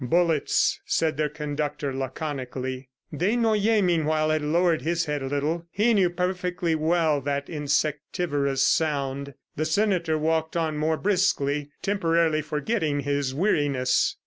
"Bullets!" said their conductor laconically. Desnoyers meanwhile had lowered his head a little, he knew perfectly well that insectivorous sound. The senator walked on more briskly, temporarily forgetting his weariness.